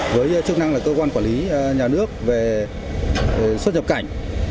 với chức năng là cơ quan quản lý nhà nước về xuất nhập cảnh